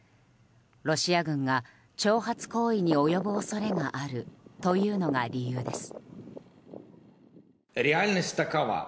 ロシア軍が挑発行為に及ぶ恐れがあるというのが理由です。